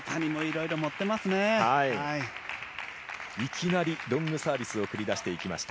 いきなりロングサービスを繰り出していきました。